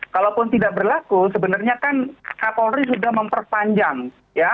kalaupun tidak berlaku sebenarnya kan kapolri sudah memperpanjang ya